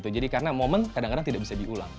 jadi karena momen kadang kadang tidak bisa diulang